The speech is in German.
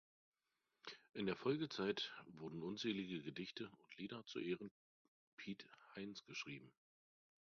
In der Folgezeit wurden unzählige Gedichte und Lieder zu Ehren Piet Heyns geschrieben.